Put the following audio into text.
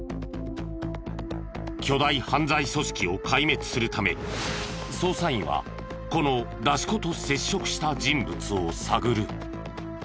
巨大犯罪組織を壊滅するため捜査員はこの出し子と接触した人物を探る。